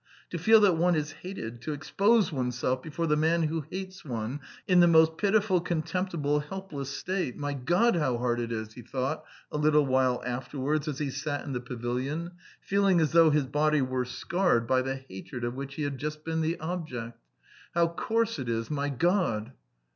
"To feel that one is hated, to expose oneself before the man who hates one, in the most pitiful, contemptible, helpless state. My God, how hard it is!" he thought a little while afterwards as he sat in the pavilion, feeling as though his body were scarred by the hatred of which he had just been the object. "How coarse it is, my God!"